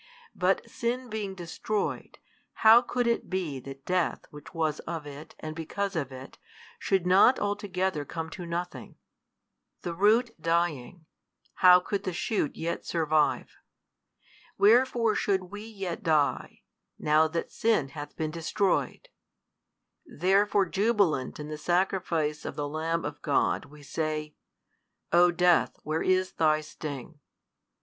But sin being destroyed, how could it be that death which was of it and because of it should not altogether come to nothing? The root dying, how could the shoot yet survive? wherefore should we yet die, now that sin hath been destroyed? therefore jubilant in the Sacrifice of the Lamb of God we say: O death, where is thy sting?